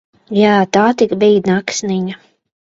Jā, tā tik bija naksniņa!